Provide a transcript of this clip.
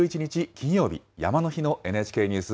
金曜日、山の日のＮＨＫニュース